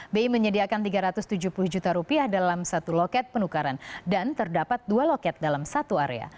bi menyediakan tiga ratus tujuh puluh juta rupiah dalam satu loket penukaran dan terdapat dua loket dalam satu area